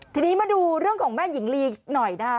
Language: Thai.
ทีนี้มาดูเรื่องของแม่หญิงลีหน่อยนะคะ